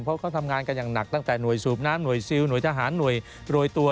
เพราะเขาทำงานกันอย่างหนักตั้งแต่หน่วยสูบน้ำหน่วยซิลหน่วยทหารหน่วยโรยตัว